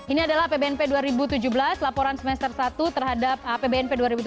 ini adalah pbnp dua ribu tujuh belas laporan semester satu terhadap apbnp dua ribu tujuh belas